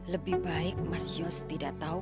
lebih baik mas yos tidak tahu